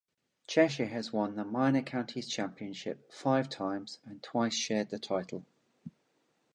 Cheshire has won the Minor Counties Championship five times, and twice shared the title.